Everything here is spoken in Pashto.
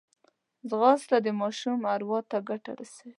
ځغاسته د ماشوم اروا ته ګټه رسوي